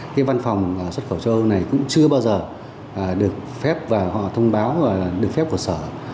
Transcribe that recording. cái văn phòng xuất khẩu châu âu này cũng chưa bao giờ được phép và họ thông báo được phép của sở